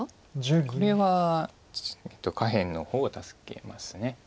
これは下辺の方を助けます。